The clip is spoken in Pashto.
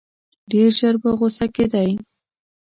ډېر ژر په غوسه کېدی.